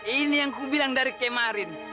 ini yang kubilang dari kemarin